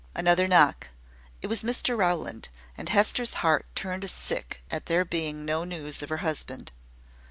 Another knock. It was Mr Rowland, and Hester's heart turned sick at there being no news of her husband.